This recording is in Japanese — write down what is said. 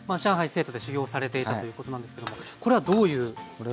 成都で修業されていたということなんですけどもこれはどういう時期のお写真ですか？